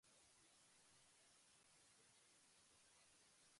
今日という日は残された日々の最初の一日。